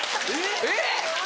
えっ？